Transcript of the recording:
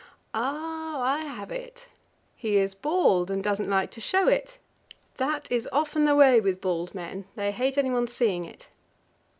Oh, I have it! He is bald, and doesn't like to show it. That is often the way with bald men; they hate anyone seeing it.